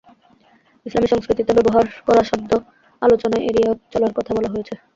ইসলামি সংস্কৃতিতে ব্যবহার করা শব্দ আলোচনায় এড়িয়ে চলার কথা বলা হয়েছে।